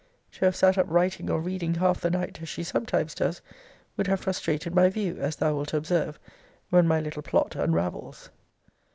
To have sat up writing or reading half the night, as she sometimes does, would have frustrated my view, as thou wilt observe, when my little plot unravels.